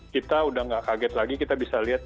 kita udah gak kaget lagi kita bisa lihat